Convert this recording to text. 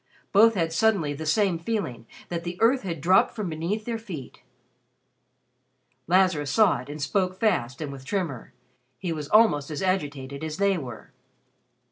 Both had suddenly the same feeling that the earth had dropped from beneath their feet. Lazarus saw it and spoke fast and with tremor. He was almost as agitated as they were.